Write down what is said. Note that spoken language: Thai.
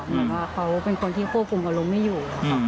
เหมือนว่าเขาเป็นคนที่ควบคุมอารมณ์ไม่อยู่